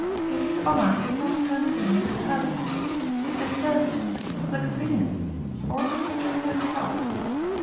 " If his honour did not turn to me in the first place, it deferred to public opinion, or it was true to himself.